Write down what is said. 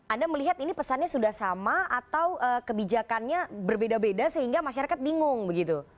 anda melihat ini pesannya sudah sama atau kebijakannya berbeda beda sehingga masyarakat bingung begitu